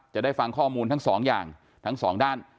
จะได้ฟังข้อมูลทั้งสองด้าน